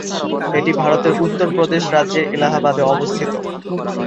এটি ভারতের উত্তর প্রদেশ রাজ্যের এলাহাবাদে অবস্থিত।